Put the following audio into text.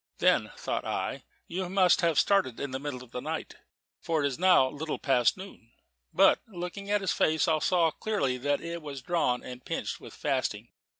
"Then," thought I, "you must have started in the middle of the night," for it was now little past noon. But looking at his face, I saw clearly that it was drawn and pinched with fasting.